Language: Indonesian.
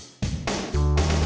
jadi terus input update